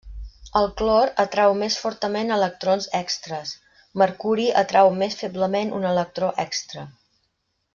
El clor atrau més fortament electrons extres; mercuri atrau més feblement un electró extra.